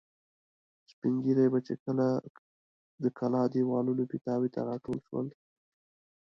سپین ږیري به چې کله د کلا دېوالونو پیتاوو ته را ټول شول.